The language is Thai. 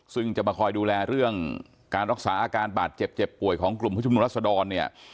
ซึ่งจะมาคอยดูแลเรื่องการรักษาอาการบาดเจ็บเจ็บป่วยของกลุ่มผู้ชมนุมรัศดรเนี่ย